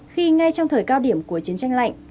khi ngay trong thời cao điểm của chiến tranh lạnh